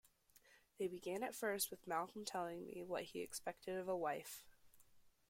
They began at first with Malcolm telling me what he expected of a wife.